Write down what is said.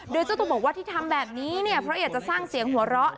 โดยเจ้าตัวบอกว่าที่ทำแบบนี้เนี่ยเพราะอยากจะสร้างเสียงหัวเราะ